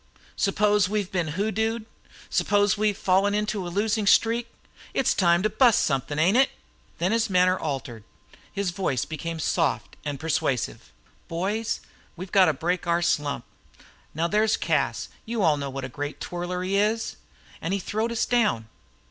"Suppose we've been hoodooed? Suppose we've fallen into a losin' streak? It's time to bust somethin', ain't it?" Then his manner altered, his voice became soft and persuasive. "Boys, we've got to break our slump. Now, there's Cas, you all know what a great twirler he is. An' he throwed us down.